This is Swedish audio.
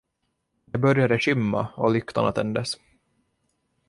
Det började skymma och lyktorna tändes.